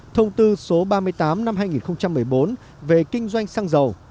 thông tư số ba mươi tám năm hai nghìn một mươi bốn về kinh doanh xăng dầu